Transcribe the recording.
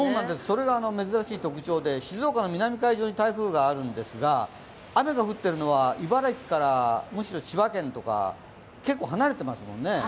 それが珍しい特徴で、静岡の南海上に台風があるんですが雨が降っているのは茨城から千葉県とか、結構離れていますよね。